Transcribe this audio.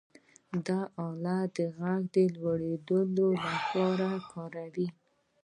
دا آله د غږ د لوړېدو لپاره کاروي.